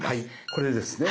これですね。